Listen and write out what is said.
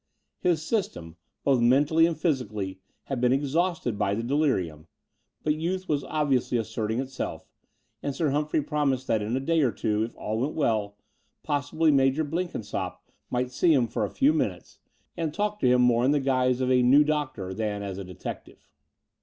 His S3rstem, both mentally and ph3rsically, had been exhausted by the de lirium, but youth was obviously asserting itself, and Sir Humphrey promised that in a day or two, if all went well, possibly Major Blenkinsopp might see him for a few minutes and talk to Between London and Clymping 139 him more in the guise of a new doctor than as a detective.